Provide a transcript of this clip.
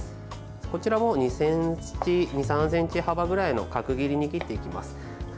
こちらも２３ｃｍ幅ぐらいの角切りに切っていきます。